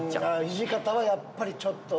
土方はやっぱりちょっと。